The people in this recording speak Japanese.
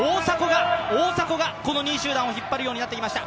大迫が、この２位集団を引っ張るようになってきました。